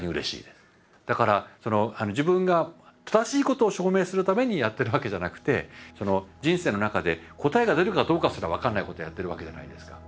だから自分が正しいことを証明するためにやってるわけじゃなくて人生の中で答えが出るかどうかすら分からないことをやってるわけじゃないですか。